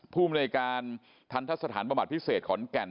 ผู้บริการทัลททศสถานประมาทภิเษษของอินเก่น